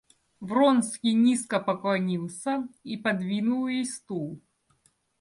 Вронский низко поклонился и подвинул ей стул.